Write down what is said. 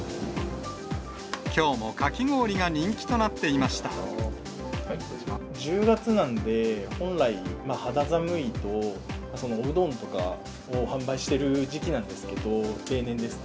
きょうもかき氷が人気となっ１０月なんで、本来、肌寒いと、うどんとかを販売している時期なんですけど、例年ですと。